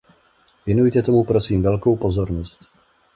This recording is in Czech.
Věnujte tomu prosím velkou pozornost.